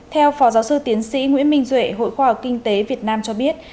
theo phó giáo sư tiến sĩ nguyễn minh duệ hội khoa học kinh tế việt nam cho biết